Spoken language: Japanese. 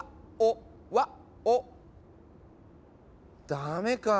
ダメかぁ。